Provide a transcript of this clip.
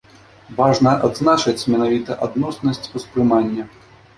Важна адзначыць менавіта адноснасць успрымання.